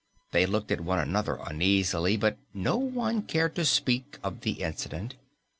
They looked at one another uneasily, but no one cared to speak of the incident.